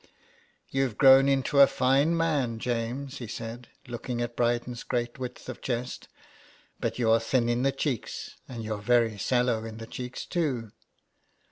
*' You've grown into a fine man, James,'' he said, looking at Bryden's great width of chest. " But you are thin in the cheeks, and you're very sallow in the cheeks too."